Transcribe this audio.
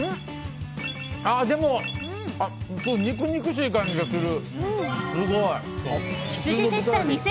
でも肉々しい感じがする。